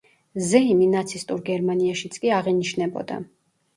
ზეიმი ნაცისტურ გერმანიაშიც კი აღინიშნებოდა.